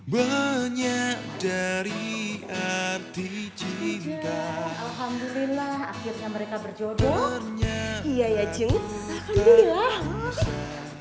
banyak dari arti cinta alhamdulillah akhirnya mereka berjodoh iya ya cinta